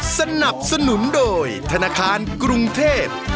สนับสนุนโดยธนาคารกรุงเทพ